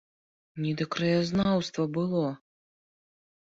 Не да краязнаўства было!